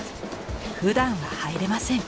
ふだんは入れません。